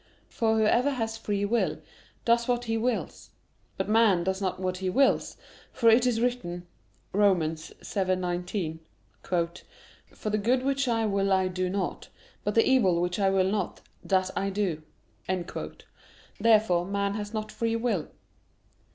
For whoever has free will does what he wills. But man does not what he wills; for it is written (Rom. 7:19): "For the good which I will I do not, but the evil which I will not, that I do." Therefore man has not free will.